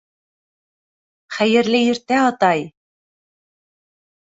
Хәйерле иртә, атай!